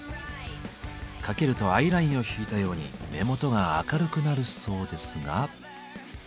かけるとアイラインを引いたように目元が明るくなるそうですが。